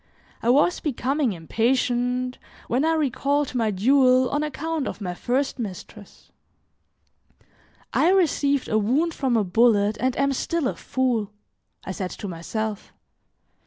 I was becoming impatient when I recalled my duel on account of my first mistress. "I received a wound from a bullet and am still a fool," I said to myself.